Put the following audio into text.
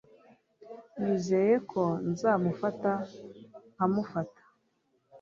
nizeye ko nzamufata nkamufata